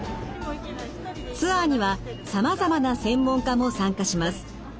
ツアーにはさまざまな専門家も参加します。